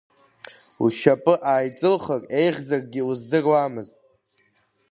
Лшьапы ааиҵылхыр еиӷьзаргьы лыздыруамызт.